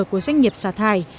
của doanh nghiệp xả thải